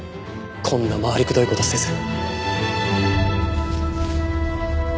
こんな回りくどい事せず。